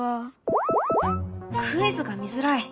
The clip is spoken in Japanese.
「クイズが見づらい！」。